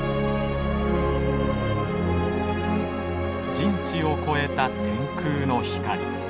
人知を超えた天空の光。